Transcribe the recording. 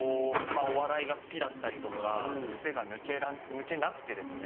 まぁお笑いが好きだったりとか癖が抜けなくてですね。